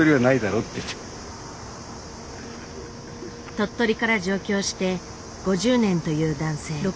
鳥取から上京して５０年という男性。